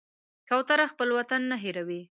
کوتره خپل وطن نه هېروي.